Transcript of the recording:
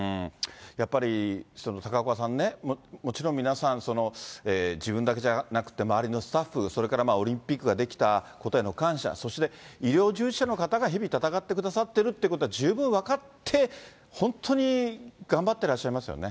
やっぱり高岡さんね、もちろん皆さん、自分だけじゃなくて、周りのスタッフ、それからオリンピックができたことへの感謝、そして医療従事者の方が日々闘ってくださってるということを十分分かって、本当に頑張ってらっしゃいますよね。